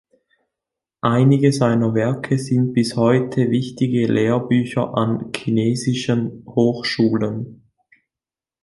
Einige seiner Werke sind bis heute wichtige Lehrbücher an chinesischen Hochschulen.